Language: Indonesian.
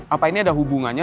apa ini ada hubungannya